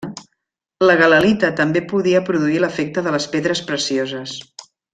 La galalita també podia produir l'efecte de les pedres precioses.